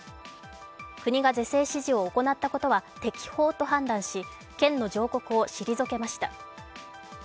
国が是正指示を行ったことは、適法と判断し、県の上告を退けました。